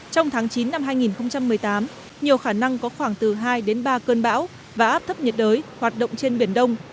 trong tháng chín năm hai nghìn một mươi tám nhiều khả năng có khoảng từ hai đến ba cơn bão và áp thấp nhiệt đới hoạt động trên biển đông